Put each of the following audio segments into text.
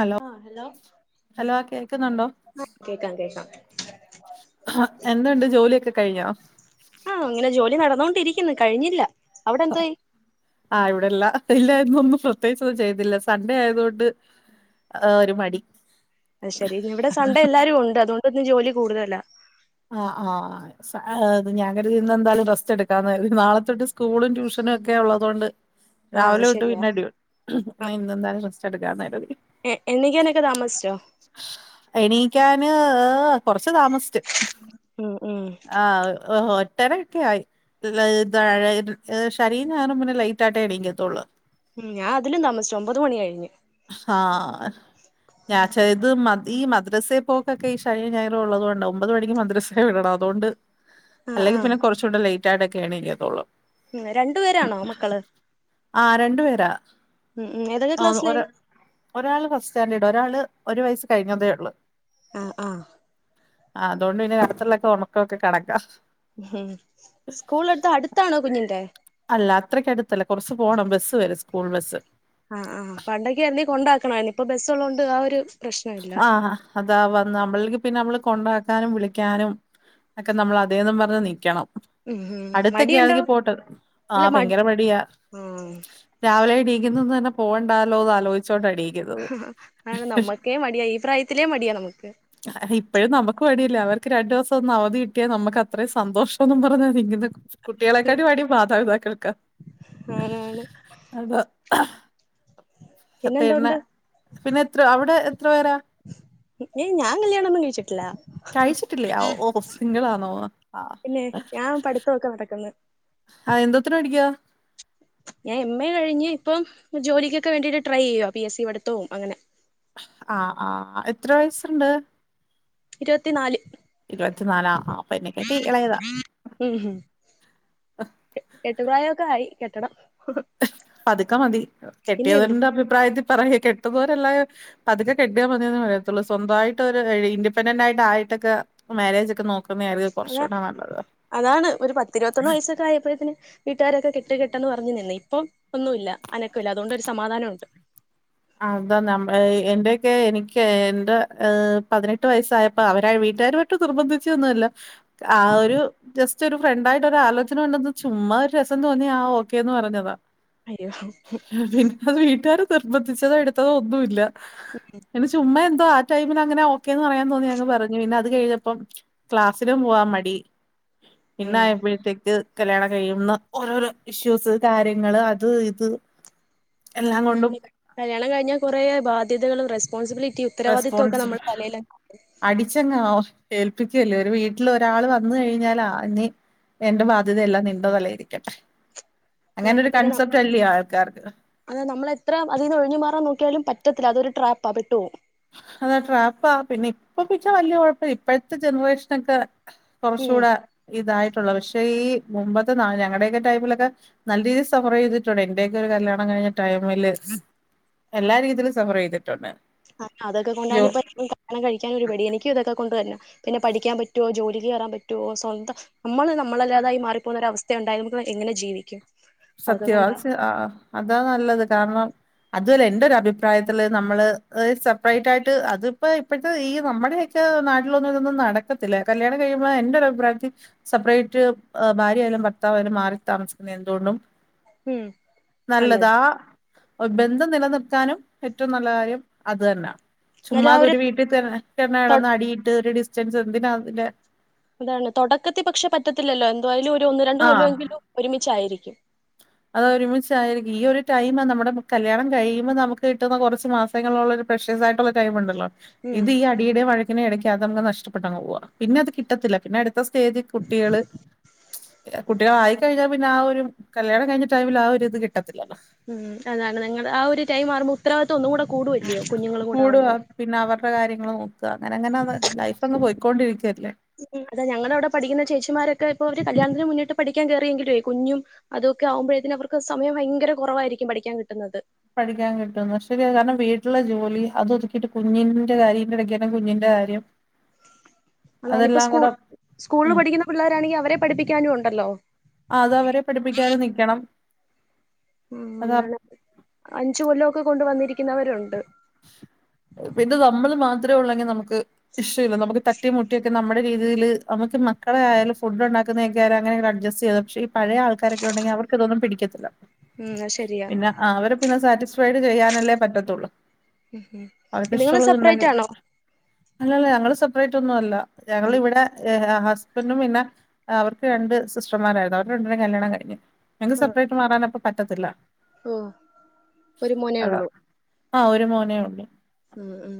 Hello hello കേക്കുന്നുണ്ടോ കേക്കാം കേക്കാം ഹ എന്തുണ്ട് ജോലിയൊക്കെ കഴിഞ്ഞോ ആഹ് അങ്ങനെ ജോലി നടന്നോണ്ടിരിക്കുന്നു കഴിഞ്ഞില്ല അവിടെ എന്തോയി ആഹ് ഇവിടെല്ല ഇല്ല എന്നൊന്നും പ്രത്യേകിച്ച്ഒന്നും ചെയ്തില്ല സൺഡേ ആയതൊണ്ട് ആഹ് ഒരു മടി അഹ് ശരി ഇവിടെ സൺഡേ എല്ലാരും ഉണ്ട് അതുകൊണ്ട് ഇന്ന് ജോലി കൂടുതലാ ആഹ് ആഹ് ആത് ഞാൻ കരുതി ഇന്ന് എന്തായാലും റസ്റ്റ് എടുക്ക ക്കാ കരുതി നാളത്തെ തൊട്ട് സ്കൂളും ട്യൂഷനും ഒക്കെ ഉള്ള തോണ്ട് ആഹ് അത് രാവിലെ തെട്ട് ശരിയാ പിന്നെ അടി ഹ്മ് ആഹ് ഇന്നെന്തായാലും റസ്റ്റ് എടുക്കാമെന്ന് കരുതി എ എണീക്കാനൊക്കെ താമസിച്ചോ എണീക്കാന്. കൊറച്ച് താമസിച്ചു ഉം ഉം ആ ഒട്ടേറെ ഒക്കെ ആയി [unintelligible] ഇത് ശനിയും ഞായറും പിന്നെ ലൈറ്റ് ആയിട്ടേ എണീക്കത്തൊള്ളൂ ഉം ഞൻ അതിലും താമസിച്ചു ഒമ്പത് മണി കഴിഞ്ഞു ആഹ് [unintelligible] ഇത് മ ഈ മദ്രസയിൽ പോക്കൊക്കെ ഈ ശനിയും ഞായറും ഉള്ളത് കൊണ്ടാവും മണിക്ക് മദ്രസയിൽ വിടണം അത്കൊണ്ട് ആഹ് അല്ലെങ്കി ആഹ് പിന്നെ കുറച്ചൂടെ ലേറ്റ് ആയിട്ടൊക്കെ എണീക്കത്തൊള്ളൂ ഉം രണ്ടു പേരാണോ മക്കള് ആ രണ്ടു പേരാ ഉം ഉം ഏതൊക്കെ ആ ഒര ക്ലാസ്സിലായി ഒരാൾ ഫസ്റ്റ് സ്റ്റാൻഡേർഡ് ഒരാള് ഒരു വയസ്സ് കഴിഞ്ഞതേ ഒള്ളു ആഹ് ആഹ് ആ അതൊണ്ട് പിന്നെ രാത്രിയിലുള്ളൊക്കെ ഉറക്കെമൊക്കെ കണക്കാ ഹ്മ്മ് സ്കൂള് അടത്ത് അടുത്താണോ കുഞ്ഞിന്റെ അല്ല അത്രയ്ക്ക് അടുത്തല്ല കുറച്ച് പോണം ബസ്സ് വരും സ്കൂൾ ബസ്സ് ആഹ് ആഹ് പണ്ടൊക്കെ എന്നുമീ കൊണ്ടാക്കണമായിരുന്നു ഇപ്പൊ ബസ്സ് ഉള്ളത് കൊണ്ട് ആ ഒരു പ്രശ്നം ഇല്ല ആഹ് അതാ വന്ന് നമ്മളക്ക് പിന്നെ നമ്മള് കൊണ്ടാക്കാനും വിളിക്കാനും ഒക്കെ നമ്മൾ അതെന്നും പറഞ്ഞ് നിക്കണം ഉം ഉം അടുത്തൊക്കെയ മടിയുണ്ടോ ആണെങ്കിൽ പോട്ട് അല്ല ആഹ് മടി ഭയങ്കരം മടിയാ ആഹ് രാവിലെഎണീക്കുന്നത് തന്നെ പോവണ്ടാല്ലോന്ന് ആലോയിച്ചു കൊണ്ട എണീക്കുന്നത് അ നമ്മക്കേ മടിയാ ഈ പ്രായത്തിലേ മടിയാ നമുക്ക് ഇപ്പോഴും നമുക്ക് മടിയല്ലേ അവർക്ക് രണ്ടു ദിവസം ഒന്ന് അവധി കിട്ടിയാൽ നമ്മക്ക് അത്രയും സന്തോഷ എന്നും പറഞ്ഞ നിക്കുന്നെ കുട്ടികളെക്കാളും മടി മാതാപിതാക്കൾക്കാ ആണാണ് അതാ ഹ് പിന്നെ പിന്നെ എത്ര അവിടെ എത്ര പേരാ ഏയ് ഞാൻ കല്യാണം ഒന്നും കഴിച്ചിട്ടില്ല കഴിച്ചിട്ടില്ലേ ഓ സിംഗിളാണോ ആഹ് പിന്നെ ഞാൻ പഠിത്തമൊക്കെ നടക്കുന്നു ആഹ് എന്തോത്തിന് പഠിക്ക്യ ഞാൻ എം എ കഴിഞ്ഞ് ഇപ്പം ജോലിക്കൊക്കെ വേണ്ടിട്ട് ട്രൈ ചെയ്യുവ പി എസ് സി പടുത്തവും അങ്ങനെ ആഹ് ആഹ് എത്ര വയസുണ്ട് ഇരുപത്തി നാല് ഇരുപത്തിനാലാ ആ അപ്പൊ എനിക്കെക്കെ ഇളയതാ ഉം ഹും കെട്ടു പ്രായൊക്കെ ആയി കെട്ടണം ഹ് പതുക്കെ മതി കെട്ടിയതിന്റെ അഭിപ്രായത്തിൽ പറയ കെട്ടുനേരെല്ലാം പതുക്കെ കെട്ടിയാൽ മതിയെന്നെ പറയത്തൊള്ളൂ സ്വന്തമായിട്ട് ഒരു ഇൻഡപെന്റന്റ് ആയിട്ട് ആയിട്ടൊക്കെ മാരേജ് ഒക്കെ നോക്കുന്നത് ആയിരിക്കും അതാ കുറച്ചുകൂടെ നല്ലത് അതാണ് ഒരു പത്തിരുപത്തൊന്ന് വയസൊക്കെ ആയപ്പോഴെത്തിന് വീട്ടുകാരൊക്കെ കെട്ട് കെട്ടെന്ന് പറഞ്ഞ് നിന്ന് ഇപ്പം ഒന്നുല്ല അനക്കമില്ല അതുകൊണ്ടൊരു സമാധാനം ഉണ്ട് അതാ നമ്മ എന്റെയൊക്കെ എനിക്ക് എന്റെ പതിനെട്ട് വയസ്സായപ്പോ അവരായ വീട്ടുകാർ ട്ട് നിർബന്ധിച്ചൊന്നുമല്ല ആ ഒരു ജസ്റ്റ് ഒരു ഫ്രണ്ടായിട്ട് ഒരു ആലോചന ഉണ്ടെന്ന് ചുമ്മാ ഒരു രസം തോന്നി ആ ഓക്കേന്ന് പറഞ്ഞതാ അയ്യോ ഹ് പിന്നെ അത് വീട്ടുകാർ നിർബന്ധിച്ചതോ എടുത്തതോ ഒന്നുമില്ല [inaudible] അത് ചുമ്മ എന്തോ ആ ടൈമിൽ അങ്ങനെ ഓക്കേന്ന് പറയാൻ തോന്നി അങ്ങു പറഞ്ഞു പിന്നെ അത് കഴിഞ്ഞപ്പം ക്ലാസിലും പോവാൻ മടി ഉം പിന്നെആയപ്പോഴത്തേക്ക് കല്യാണം കഴിയുന്ന ഓരോരോ ഇഷ്യൂസ് കാര്യങ്ങള് അത് ഇത്. എല്ലാം കൊണ്ടും കല്യാണം കഴിഞ്ഞാൽ കൊറെ ബാധ്യതകള് റെസ്പോൺസിബിലിറ്റിയും. ഉത്തരവാദിത്വമൊക്കെ റെസ്പോൺസ് നമ്മുടെ തലേല് അടിച്ചങ്ങ് ഏൽപ്പിക്കുല്ലേ ഒരു വീട്ടിൽ ഒരാള് വന്ന് കഴിഞ്ഞാലാ. എന്റെ ബാധ്യതയെല്ലാം നിന്റെ തലയിലിരിക്കട്ടെ അങ്ങനെ ഒരു കൺസെപ്റ്റ് അല്ലേ ആൾക്കാർക്ക്. അതെ നമ്മളെത്ര അതിൽന്ന് ഒഴിഞ്ഞു മാറാൻ നോക്കിയാലും പറ്റത്തില്ല അതൊരു ട്രാപ്പാ പെട്ടു പോവും. അതാ ട്രാപ്പാ പിന്നെ ഇപ്പൊ പിന്നെ വല്യ കുഴപ്പ ഇപ്പഴത്തെ ജനറേഷനൊക്കെ. ഉം കുറച്ചുകൂടെ ഇതായിട്ടുള്ളത് പക്ഷേ ഈ മുമ്പത്തെ നാള് ഞങ്ങളുടെയൊക്കെ ടൈമിലൊക്കെ. നല്ല രീതിയിൽ സഫർ ചെയ്തിട്ടുണ്ട് എന്റെയൊക്കെ ഒരു കല്യാണം കഴിഞ്ഞ ടൈമില്. എല്ലാ രീതിയിലും സഫർ ചെയ്തിട്ടുണ്ട്. അ അതൊക്കെ യ്യോ കൊണ്ടാണ് ഇപ്പ. [unintelligible] കല്ലാണം കഴിക്കൻ ഒരു മടി എനിക്കും ഇതൊക്കെ കൊണ്ട് തന്നെ പിന്നെ പഠിക്കാൻ പറ്റുവോ ജോലിക്ക് കയറാൻ പറ്റുമോ സ്വന്തം. നമ്മള് നമ്മളല്ലാതായി മാറിപ്പോകുന്ന ഒരു അവസ്ഥ ഉണ്ടായ നമ്മൾ എങ്ങനെ ജീവിക്കും. അതൊക്കെ സത്യവാ കൊണ്ടാ ആഹ് അതാ നല്ലത് കാരണം. അതുല്ല എന്റെ ഒരു അഭിപ്രായത്തില് നമ്മള് സെപ്പറേറ്റ് ആയിട്ട് അതിപ്പോ ഇപ്പോഴത്തെ ഈ നമ്മുടെ. മറ്റ് നാട്ടിലൊന്നും ഇതൊന്നും നടക്കത്തില്ല കല്യാണം കഴിയുമ്പോൾ എന്റെ ഒരു അഭിപ്രായത്തിൽ. സെപ്പറേറ്റ് ഭാര്യ ആയാലും ഭർത്താവായാലും മാറി താമസിക്കുന്നത് എന്തുകൊണ്ടും. ഉം. നല്ലത് നല്ലതാ ബന്ധം നിലനിർത്താനും ഏറ്റവും നല്ല കാര്യം അത് തന്നെയാ. എന്നാലും ആ ഒരു ചുമ്മാതൊരു വീട്ടിൽചെന്ന് തൊ കിടന്ന് അടിയിട്ട് ഒരു ഡിസ്റ്റൻസ് എന്തിനാ അതില്. അതാണ് തുടക്കത്തിൽ പക്ഷെ പറ്റത്തില്ലല്ലോ എന്തായാലും ഒരു ഒന്ന് രണ്ട് ആഹ് കൊല്ലമെങ്കിലും ഒരുമിച്ചായിരിക്കും. അതാ ഒരുമിച്ചായിരിക്കും ഈ ഒരു ടൈമാ നമ്മുടെ കല്യാണം കഴിയുമ്പോ നമ്മുക്ക് കിട്ടുന്ന കുറച്ച് മാസം. പെങ്ങളുള്ളൊരു പ്രശ്യസായിട്ട്. ടൈമുണ്ടല്ലോ ഉം ഇത് ഈ അടിയുടെ വഴക്കിന്റെയും ഇടയ്ക്ക് അതങ്ങ് നഷ്ടപ്പെട്ടങ്ങ് പോവാ പിന്നെ അത് കിട്ടത്തില്ല പിന്നെ അടു. അടുത്ത സ്റ്റേജിൽ കുട്ടികൾ കുട്ടികൾ ആയിക്കഴിഞ്ഞാൽ പിന്നെ ആ ഒരു കല്യാണ. കഴിഞ്ഞ ടൈമിൽ ആ ഒരു ഇത് കിട്ടത്തില്ല. ഉം അതാണ് നിങ്ങളുടെ ആ ഒരു ടൈം ആകുമ്പോ. ഉത്തരവാതിത്തം ഒന്ന് കൂടെ കൂടും. കൂടുക പിന്നെ അവരുടെ കാര്യങ്ങൾ നോക്കുക അങ്ങനെ അങ്ങനെ ലൈഫ്. അങ്ങ് പോയിക്കൊണ്ടിരിക്കുവല്ലേ. അത ഞങ്ങള അവിടെ പഠിക്കുന്നേ ചേച്ചിമാരൊക്കെ ഇപ്പോ അവര് കല്യാണത്തിന് മുന്നിട്ട് പഠിക്കാൻ കേറിയെങ്കിലുവേ കുഞ്ഞും. അതൊക്കെ ആകുമ്പഴത്തേന് അവർക്ക് സമയം ഭയങ്കര കുറവായിരിക്കും പഠിക്കാൻ കിട്ടുന്നത്. പഠിക്കാൻ കിട്ടുന്നത് ശരിയാ കാരണം വീട്ടിലുള്ള ജോലി അത് ഒതുക്കിട്ട് കുഞ്ഞിന്റെ കാര്യം ഇതിന്റെ ഇടക്ക് തന്നെ കുഞ്ഞിന്റെ കാര്യം. [inaudible] അതാണ് ഇപ്പ അതെല്ലാം സ്കൂൾ കൂടെ സ്കൂളിൽ ഉം പഠിക്കുന്ന പിള്ളേരാണെങ്കിൽ അവരെ പഠിപ്പിക്കാനും ഉണ്ടല്ലോ. ആഹ് അത് അവരെ പഠിപ്പിക്കാനും നിക്കണം. ഉം അത് അങ്ങനെയാണ് അഞ്ച് കൊല്ലമൊക്കെ കൊണ്ട് വന്നിരിക്കുന്നവരുണ്ട്. പിന്നെ നമ്മള് മാത്രമേ ഉള്ളെങ്കിൽ നമുക്ക് വിഷയ ഇല്ല നമുക്ക്. തട്ടീംമുട്ടിയൊക്കെ നമ്മുടെ രീതിൽ നമ്മുക്ക് മക്കളായലും ഫുഡ് ഉണ്ടാക്കുന്നതക്കെയായാലും അങ്ങനെയൊരു അഡ്ജസ്റ്റ് ചെയ്ത് പക്ഷെ. പഴയ ആൾക്കാരൊക്കെ ഉണ്ടെങ്കിൽ അവർക്ക് ഇതൊന്നും പിടിക്കത്തില്ല. ഉം അത് ശരിയാ. ആഹ് അവര് പിന്നെ സാറ്റിസ്ഫൈഡ് ചെയ്യാനല്ലേ പറ്റത്തള്ളൂ. ഉം ഉം അവർടെ നിങ്ങള് സെപ്പറേറ്റ് ഇഷ്ടള്ളത്ണ്ടെങ്കിൽ ആണോ അല്ലല്ല ഞങ്ങള് സെപ്പറേറ്റ് ഒന്നും അല്ല ഞങ്ങളിവിടെ ഏഹ് ഹസ്ബൻഡും പിന്നെ അവർക്ക് രണ്ട് സിസ്റ്റർമാരായിരുന്നു അവര് രണ്ടരും കല്യാണം കഴിഞ്ഞു. ഞങ്ങക്ക് ആഹ് സെപ്പറേറ്റ് മാറൻപ്പ പറ്റത്തില്ല. ഓഹ് ഒരു മോനേ അതാ ഒള്ളൂ. ആഹ് ഒരു മോനേ ഉള്ള് ഉം ഉം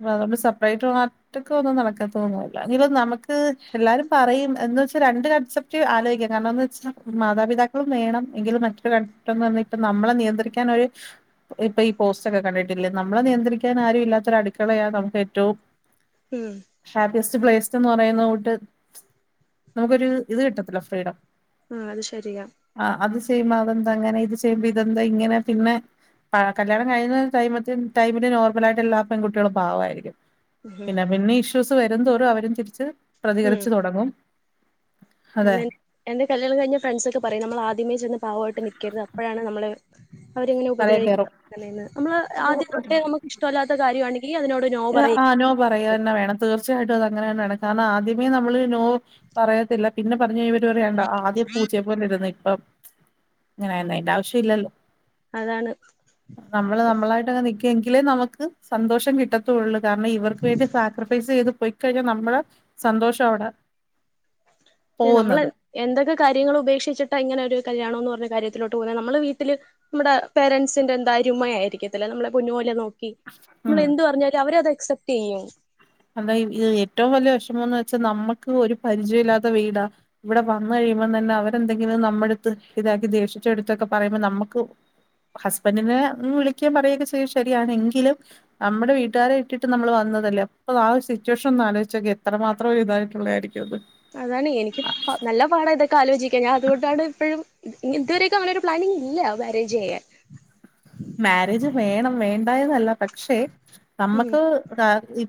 പ്പ അതൊണ്ട് സെപ്പറേറ്റ് ഒറ്റൊക്കെ ഒന്നും നടക്കത്തൊന്നുല്ല എങ്കിലും നമുക്ക് എല്ലാരും പറയും എന്ന് വെച്ച രണ്ട് കൺസെപ്- ക്കി ആലോയിക്ക കാരണംന്ന് വെച്ചാ മാതാപിതാക്കളും വേണം എങ്കിലും മറ്റൊരു ഘട്ടം വന്ന് നമ്മളെ നിയന്ത്രിക്കാൻ ഒരു ഇപ്പൊ ഈ പോസ്റ്റ് ഒക്കെ കണ്ടിട്ടില്ലേ നമ്മളെ നിയന്ത്രിക്കാൻ ആരും ഇല്ലാത്ത ഒരട് ക്കളേയാണ് നമുക്ക് ഏറ്റവും ഉം ഹാപ്പിസ്റ്റ് പ്ലേസ് എന്ന് പറയുന്ന കൂട്ട് നമുക്കൊരു ഇത് കിട്ടത്തില്ല ഫ്രീഡം. ആഹ് അത് ശരിയാ ആഹ് അത് ചെയ്യുമ്പോ അതെന്താ അങ്ങനെ ഇത് ചെയ്യുമ്പോ ഇതെന്താ ഇങ്ങനെ പിന്നെ ആഹ് കല്യാണം കഴിഞ്ഞ ടൈമത്തി ടൈമില് നോർമലായിട്ടെല്ലാം പെൺകുട്ട്യള് പാവായിരിക്കും ഉം പിന്നെ പിന്നെ ഇഷ്യൂസ് വരുംന്തോറും അവരും തിരിച്ച് പ്രതികരിച്ചു തൊടങ്ങും അങ്ങനെ എന്റെ കല്യാണം കഴിഞ്ഞ ഫ്രണ്ട്സ് ഒക്കെ പറയും നമ്മൾ ആദ്യമേ ചെന്ന് പാവമായിട്ട് നിക്കര്ത് അപ്പഴാണ് നമ്മൾ അവരെങ്ങനെ തലേ കയറും ഉപദ്രവിക്ക [unintelligible] നമ്മള് അപ്പൊ ആദ്യം തൊട്ടേ നമുക്ക് ഇഷ്ട അല്ലാത്ത കാര്യാണെങ്കിൽ അതിനോട് നോ പറയും ആഹ് നോ പറയന്നെ വേണം തീർച്ചയായിട്ടും അത് അങ്ങനെതന്നെ വേണം കാരണം ആദ്യമേ നമ്മള് നോ പറയത്തില്ല പിന്നെ പർഞ്ഞ [unintelligible] [unintelligible] ആദ്യം പൂച്ചയെ പോലെ ഇരുന്ന് ഇപ്പം ഇങ്ങനായി അയിന്റെ ആവശ്യം ഇല്ലല്ലോ. അതാണ് നമ്മള് നമ്മളായിട്ടങ്ങ് നിക്കുങ്കില് നമുക്ക് സന്തോഷം കിട്ട ത്തള്ളൂ കാരണം ഇവർക്ക് വേണ്ടി സാക്രിഫൈസ് ചെയ്ത് പോയി കഴിഞ്ഞാൽ നമ്മള സന്തോഷം അവടെ പിന്നെ നമ്മൾ എന്തൊക്കെ കാര്യങ്ങൾ ഉപേക്ഷിച്ചിട്ടാ ഇങ്ങനെ ഒരു കല്യാണം ന്നു പർഞ്ഞ കാര്യത്തിലോട്ട് പോണേ നമ്മള് വീട്ടില് നമ്മടെ പേരന്റ്സിന്റെ എന്തായരുമ്മയായിരിക്കത്തില്ലേ നമ്മളെ പൊന്നു പോലെ നോ നമ്മൾ ഉം എന്ത് പറഞ്ഞാലും അവര് അത് അക്സെപ്റ്റ് യ്യും. അതാ ഏറ്റവും വല്ല്യ വെഷമംന്ന് വെച്ചാ നമ്മക്ക് ഒരു പരിചയവും ഇല്ലാത്ത വീടാ. ഇവടെ വന്ന് കഴിയുമ്പം തന്നെ അവരെന്തെങ്കിലും നമ്മുടെടുത്ത് ഇതാക്കി ദേഷിച്ചെടുത്തൊക്കെ പറയുമ്പോ നമ്മക്ക് ഹസ്ബൻഡിനെ വിളിക്ക പറയുക ശേഷം ശെരിയാണ് എങ്കിലും നമ്മടെ വീട്ടുകാരെ ഇട്ടിട്ട് നമ്മള് വന്നതല്ലേ. അപ്പ ആഹ് സിറ്റുവേഷൻ ഒന്ന് ആലോചിച്ചോക്ക്യ എത്രമാത്രം ഇതായിട്ടുള്ളയിരിക്കും അത്? അതാണ് എനിക്ക് പ നല്ല പാടാ ഇതൊക്കെ ആലോചിക്കാൻ ഞാൻ അതുകൊണ്ടാണ് ഇപ്പഴും ഇതുവരെക്കെ അങ്ങനൊരു പ്ലാനിങ് ഇല്ല മാരേജ് യ്യാൻ. മാരേജ് വേണം വേണ്ടായെന്നല്ല പക്ഷെ ഉം നമ്മക്ക് താ ഇ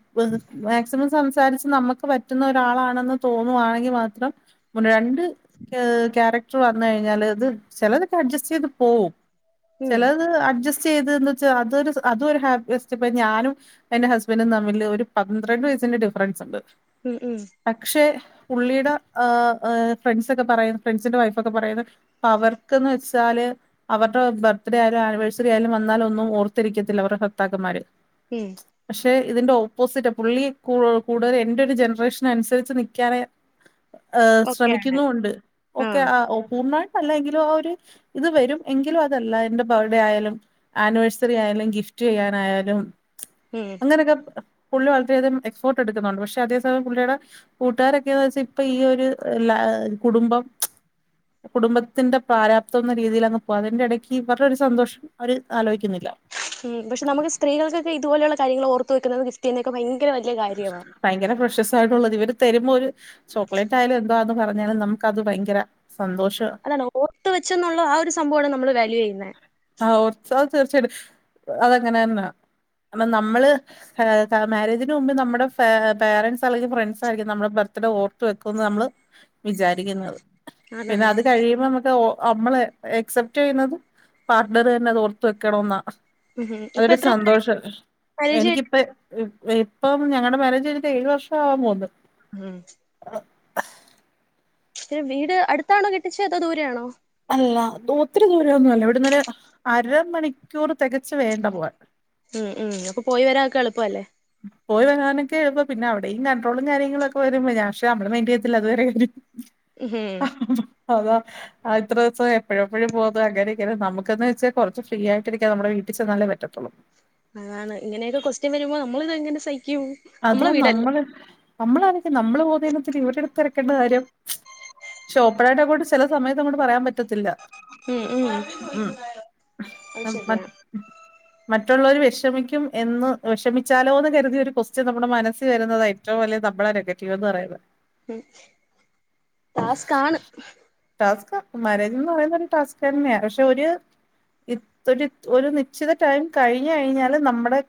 മാക്സിമം സംസാരിച്ച് നമ്മക്ക് പറ്റുന്ന ഒരാളാണെന്ന് തോന്നുവാണെങ്കിൽ മാത്രം [unintelligible] രണ്ട് ഏഹ് ക്യാരക്ടർ വന്ന് കഴിഞ്ഞാൽ അത് ചെലതൊക്കെ അഡ്ജസ്റ്റ് ചെയ്ത് പോവും. ഉം ചെല ത് അഡ്ജസ്റ്റ് ചെയ്ത് ന്ന് വെച്ചാൽ അത് ഒര് അതും ഒരു [unintelligible] ഇപ്പോ ഞാനും എന്റെ ഹസ്ബൻഡും തമ്മില് ഒരു പന്ത്രണ്ട് വയസ്സിന്റെ ഡിഫറൻസ് ണ്ട്. ഉം ഉം പക്ഷെ പുള്ളിയുടെ ആഹ ഫ്രണ്ട്സൊക്കെ പറയുന്നു ഫ്രണ്ട്സിന്റെ വൈഫൊക്കെ പറയുന്നു അവർക്ക്ന്ന് വെച്ചാല് അവരുടെ ബർത്ത്ഡേ ആയ- ആനിവേഴ്സറി ആയാലും വന്നാലും ഒന്നും ഓർത്തിരിക്കത്തില്ല അവരുടെ ഭർത്താക്കന്മാര് ഏയ് പക്ഷെ ഇതിന്റെ ഓപ്പോസിറ്റാ പുള്ളി കൂടുതൽ എന്റെ ഒരു ജനറേഷൻ അനുസരിച്ച് നിൽക്കാനെ ഏഹ് ഒക്കെയാണ്. ശ്രമിക്കുന്നു ഉണ്ട് ഒക്കെ ആഹ് ആഹ പൂർണ- അല്ലെങ്കിലും ആഹ ഒരു ഇത് വരും എങ്കിലും അതല്ലാ എൻ്റെ ബർഡേ ആയാലും ആനിവേഴ്സറി ആയാലും ഗിഫ്റ്റ് ചെയ്യാനായാലും ഉം അങ്ങനെയൊക്കെ പുള്ളി വളരെയധികം എഫേർട്ട് എടുക്കുന്നുണ്ട് പക്ഷെ അതേ സമയം പുള്ളിയുടെ കൂട്ടുകാരൊക്കെയന്ന് വെച്ചാ ഇപ്പ ഈ ഒരു എല്ലാ കുടുംബം കുടുംബത്തിന്റെ പ്രാരാബ്ദം എന്ന രീതിയിലങ്ങ് പോകും അതിന്റെ ഇടയ്ക്ക് [unintelligible] രടെ ഒരു സന്തോഷം അവർ ആലോചിക്കുന്നില്ല ഉം പക്ഷെ നമുക്ക് സ്ത്രീകൾക്കൊക്കെ ഇതുപലുള്ള കാര്യങ്ങൾ ഓർത്ത് വെുന്നത് ഗിഫറ്റ് ചെയ്യുന്നൊക്കെ ഭയങ്കര വലിയ കാര്യവാ ഭയങ്കര ഫ്രഷസായിട്ടുള്ളത് ഇവര് തരുമ്പോ ഒരു- ചോക്ലേറ്റ് ആയാലും എന്താന്ന് പറഞാല് നമുക്കത് ഭയങ്കര സന്തോഷം അതാണ് ഓർത്ത് വെച്ചെന്നുള്ള ആഹ ഒരു സംഭവമാണ് നമ്മള് വാല്യൂ ചെയ്യുന്നത് ആഹ ഓർത്ത് അത് തീർച്ചയായിട്ടും അതെങ്ങനെ തന്നാ അല്ല നമ്മള് അതായത് മാര്യേജിന് മുമ്പ് നമ്മുടെ പേ-പേരന്റെസ് അല്ലെങ്കിൽ ഫ്രണ്ട്സ് ആയിരിക്കും നമ്മളെ ബർത്ത്ഡേ ഓർത്ത് വെക്കുന്നത് നമ്മള് വിചാരിക്കുന്നു പിന്നെ അതാണ്. അത് കഴിയുമ്പോ നമുക്ക് നമ്മള് എക്സെപ്റ്റ് ചെയ്യുന്നത് പാർട്ട്ണർ തന്നെ അതോർത്ത് വെക്കണംന്നാ ഉം ഉം ഇപ്പൊ അതൊരു എത്ര കൊല്ലായി സന്തോഷാ മാരേജ് കഴിഞ്ഞിട്ട്? എനിക്കിപ്പ- ഉം- ഇപ്പം ഞങ്ങളുടെ മാര്യേജ് കഴിഞ്ഞിട്ട് ഏഴ് വർഷം ആവാൻ പോകുന്നു. ഉം ഇ വീട് അടുത്താണോ കെട്ടിച്ചേ അതോ ദൂരെ ആണോ അല്ല ഒത്തിരി ദൂരൊന്നുല്ല ഇവിട്ന്ന് ഒരു അരമണിക്കൂർ തികച്ച് വേണ്ട പോവാൻ. ഉം ഉം അപ്പൊ പോയി വരാ ഒക്കെ എളുപ്പം അല്ലേ പോയി വരാനൊക്കെ എളുപ്പാ പിന്നെ അവിടെയും കൺഡ്രോളും കാര്യങ്ങളൊക്കെ വരുമ്പം ഞാ പക്ഷേ ഞമ്മള് മെന്റ് ചെയ്യത്തില്ല അത് വേറെ കാര്യം ഉം അഹ ഹ ഹ അതാ ആഹ ഇത്രയും ദിവസം എപ്പയും എപ്പയും പോകാ അങ്ങനെയൊക്കെ നമുക്കന്ന് വെച്ചാൽ കുറച്ച് ഫ്രീ ആയിട്ട് ഇരിക്കാൻ നമ്മുടെ വീട്ടിൽ ചെന്നാലേ പറ്റത്തുള്ളൂ. ആണ് ഇങ്ങനെയൊക്കെ കൊസ്റ്റ്യൻ വരുമ്പോ നമ്മള് ഇതെങ്ങനെ സഹിക്കും. അതാ നമ്മളെ വീടല്ലേ? നമ്മള് നമ്മള് ആലോചിക്കാ നമ്മള് പോവുന്നതിന് ത്തിരി ഇവരിത് തെരക്കേണ്ട കാര്യം [unintelligible] ഓപ്പണയിട്ടങ്ങോട്ട് ചില സമയത്ത് അങ്ങോട്ട് പറയാൻ പറ്റത്തില്ല ഉം ഉം ഉം അത് ശരിയാ. [unintelligible] മറ്റുള്ളവര് വിഷമിക്കും എന്ന് വിഷമിച്ചാലോന്ന്‌ കരുതി ഒരു കൊസ് - ച്ച് നമ്മുടെ മനസ്സി വരുന്നതാ ഏറ്റവും വലിയ നമ്മളെ നെഗറ്റീവ് എന്ന് പറയുന്നത്. ഉം ടാസ്ക്കാണ് ടാസ്കാ മാരേജ്ന്ന് പറയുന്നത് ഒരു ടാസ്ക് തന്നെയാ പക്ഷെ ഒരു ഇ ഒരു -ഒരു നിശ്ചിത ടൈം കഴിഞ്ഞു കഴിഞ്ഞാല് നമ്മുടെ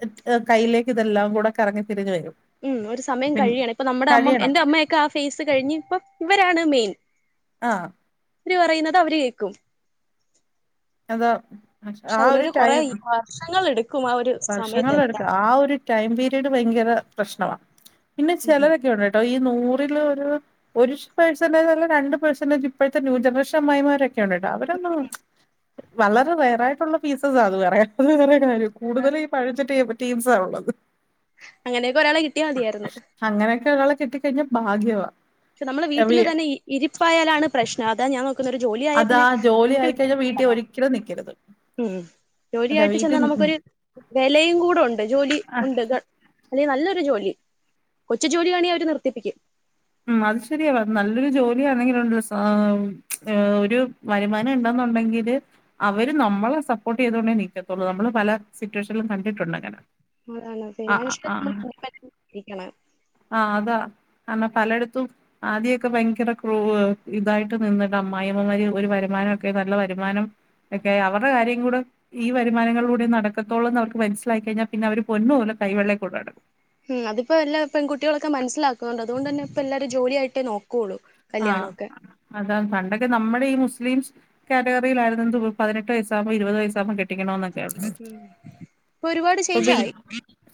[unintelligible] കയ്യിലേക്ക് ഇതെല്ലാം കൂടെ കറങ്ങി തിരിഞ്ഞ് വരും. ഉം ഒരു സമയം പി കഴിയാണ് ഇപ്പൊ നമ്മുടെ അമ്മ കഴിയണം എന്റെ അമ്മയൊക്കെ ആഹ ഫേസ് കഴിഞ്ഞ് ഇപ്പം ഇവരാണ് മെയിൻ. ആഹ് ഓര് പറയുന്നത് അവര് കേക്കും. അതാ പക്ഷെ ആഹ ഒരു അതിനൊരു കൊറേ ടൈം വർഷങ്ങൾ എടുക്കും ആ ഒരു സമയത്ത് എത്താൻ വർഷങ്ങളെടുക്കും ആഹ ഒരു ടൈം പീരീഡ് ഭയങ്കര പ്രശ്നമാണ് പിന്നെ ചിലരൊക്കെ ഉണ്ട് കെട്ടോ ഈ നൂറിൽ ഒരു. ഒരു പേഴ്സന്റെജ അല്ല രണ്ട് പേഴ്സന്റെജ് ഇപ്പോഴത്തെ ന്യൂ ജനറേഷൻ അമ്മായിമാരൊക്കെ ഉണ്ട് കേട്ടോ അവരൊന്നും വളരെ റെയറായിട്ടുള്ള പീസ്സസാ അത് വെറേ അത് വേറെ കാര്യം കൂടുതല് പഴഞ്ചൻ ടീ -ടീംസാണ് ഉള്ളത് അങ്ങനെയൊക്കെ ഒരാളെ കിട്ടിയാ മതിയായിരുന്നു അങ്ങനെയൊക്കെ ഒരാളെ കിട്ടി കഴിഞ്ഞാ ഭാഗ്യവാ. പക്ഷെ നമ്മളെ വീട്ടിലെ തന്നെ ഇരിപ്പായാലാണ് പ്രശ്നം അതാ ഞാ നോ ഒരു ജോലിയ ആയ പിന്നെ നമുക്ക് വീട്ടോ ചിലർ നിക്കരുത്. ഉം അതാ ജോലിയായിട്ട് വീട്ടിൽ ചെന്നാൽ ഉം നമുക്കൊരു വെലയും കൂടെ ഉണ്ട് ജോലി ഉണ്ട് ഗ അല്ലെ നല്ലൊരു ജോലി കൊച്ചു ജോലിയാണെ അവര് നിർത്തിപ്പിക്കും ഉം അത് ശെരിയാവാ നല്ലൊരു ജോലിയാണെങ്കിലോ സാ -ഒരു വരുമാനം ഉണ്ടെന്നുണ്ടെങ്കില്. അവര് നമ്മളെ സപ്പോർട്ട് ചെയ്തുകൊണ്ടേ നീക്കത്തുള്ളൂ നമ്മള് പല സിറ്റുവേഷനിലും കണ്ടിട്ടുണ്ട് അങ്ങനെ. അതാണ് ആഹ് ആഹ് പിന്നെ ആഹ് [unintelligible] ആഹ് അതാ കാരണം പലയിടത്തും. ആദ്യൊക്കെ ഭയങ്കര ക്രൂവ് ഇതായിട്ട് നിന്നിട്ട് അമ്മായിമ്മമാര് ഒരു വരുമാനംക്കെ നല്ല വരുമാനം. ക്കെ അവരുടെ കാര്യം കൂടെ. ഈ വരുമാനങ്ങളിലൂടെ നടക്കത്തുള്ളൂന്ന് അവർക്ക് മനസ്സിലായി കഴഞ്ഞാ പിന്നെ അവര് പൊന്ന് പോല കൈെവെള്ളളയിൽ കൊണ്ട് നടക്കും. ഉം അതിപ്പോ എല്ലാ പെങ്കുട്ടികളൊക്കെ മനസ്സിലാക്കുന്നുണ്ട് അതുകൊണ്ട് തന്നെ ഇപ്പൊ എല്ലാരും ജോലിയായിട്ടേ നോക്കുള്ളൂ ആഹ് കല്യാണമൊക്കെ അതാണ് പണ്ടൊക്കെ ന്നമ്മടെ ഈ മുസ്ലംസ് കാറ്റഗറിയിലായിരുന്നു എന്തു പതിനെട്ട് വയസ്സാമ്പോ ഇരുപത് വയസ്സാകുമ്പോ കെട്ടി കെട്ടിക്കണോന്നൊക്കെ ഉണ്ട് ഉം ഇപ്പൊ ഒരുപാട് ചേഞ്ച് ഇപ്പോപിൻ ആയി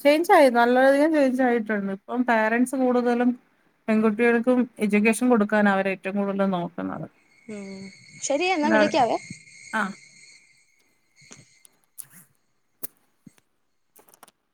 ചേയ്ഞ്ചായി ന്നല്ലെഅധികം ചേയ്ഞ്ചായിട്ടുണ്ട് ഇപ്പം പേരെൻസ് കൂടുതലും പെൺകുട്ടികൾക്കും എജൂക്കേഷൻ കൊടുക്കാന അവർഏറ്റവും കൂടുതൽ നോക്കുന്നത്. ഉം ശെരി അല്ലാതെ എന്നാവിളിക്കാവേ. ആഹ് [inaudible] [inaudible]